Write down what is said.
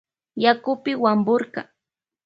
Yakupi wapurka.